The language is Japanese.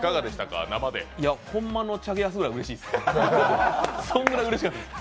ほんまのチャゲアスぐらいうれしい、そんぐらいうれしかったです。